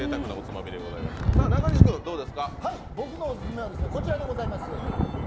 僕のオススメは、こちらでございます。